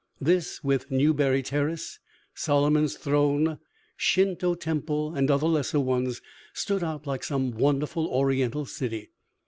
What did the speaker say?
This with Newberry Terrace, Solomon's Throne, Shinto Temple and other lesser ones stood out like some wonderful Oriental city.